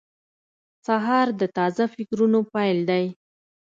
سهار د تازه فکرونو پیل دی.